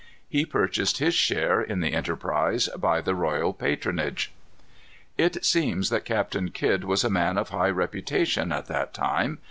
He purchased his share in the enterprise by the royal patronage. It seems that Captain Kidd was a man of high reputation at that time.